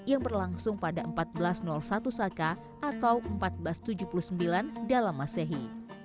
yang berlangsung pada seribu empat ratus satu saka atau seribu empat ratus tujuh puluh sembilan dalam masehi